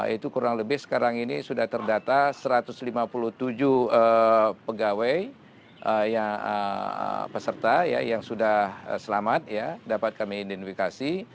itu kurang lebih sekarang ini sudah terdata satu ratus lima puluh tujuh pegawai peserta yang sudah selamat dapat kami identifikasi